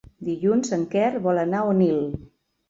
Dilluns en Quer vol anar a Onil.